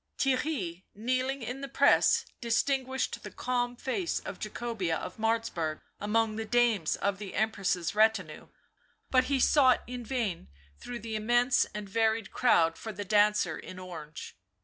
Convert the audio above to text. Theirry, kneeling in the press, distinguished the calm face of Jacobea of Martzburg among the dames of the Empress's retinue; but he sought in vain through the. immense and varied crowd for the dancer in orange.